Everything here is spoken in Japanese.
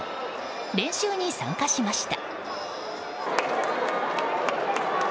練習に参加しました。